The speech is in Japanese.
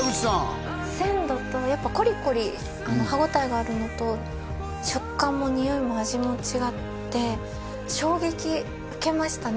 鮮度とやっぱコリコリ歯応えがあるのと食感もにおいも味も違って衝撃受けましたね